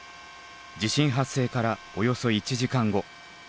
地震発生からおよそ１時間後。